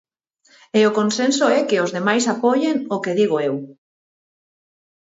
E o consenso é que os demais apoien o que digo eu.